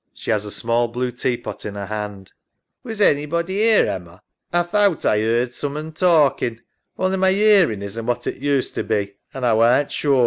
She has a small blue tea pot in her hand. SARAH. Was anybody 'ere, Emma? A thowt A yeard someun talkin', only my yearin' isn't what it used to be, an' A warn't sure.